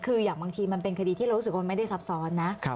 คืออย่างบางทีมันเป็นคดีที่เรารู้สึกว่ามันไม่ได้ซับซ้อนนะ